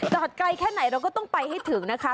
ไกลแค่ไหนเราก็ต้องไปให้ถึงนะคะ